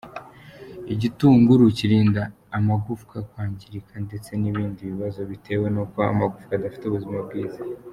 Igitunguru kirinda amagufwa kwangirika ndetse n’ibindi bibazo biterwa nuko amagufwa adafite ubuzima bwiza.